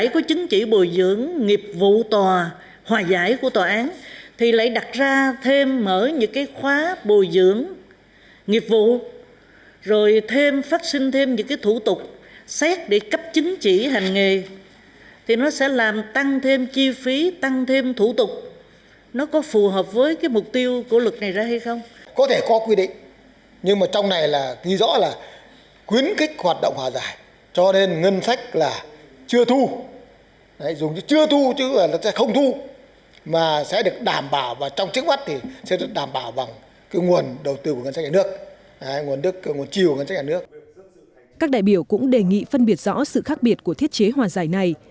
các đại biểu cũng đề nghị phân biệt rõ sự khác biệt của thiết chế hòa giải này